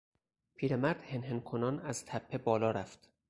پیر مرد هنهن کنان از تپه بالا رفت.